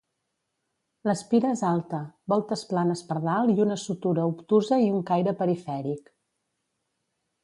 L'espira és alta; voltes planes per dalt i una sutura obtusa i un caire perifèric.